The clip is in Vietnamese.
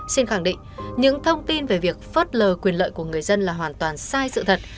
xin khẳng định những thông tin về việc phớt lờ quyền lợi của người dân là hoàn toàn sai sự thật